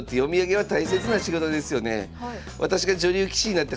はい。